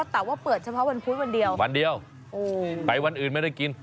แต่ว่าเปิดเฉพาะวันพุธวันเดียววันเดียวไปวันอื่นไม่ได้กิน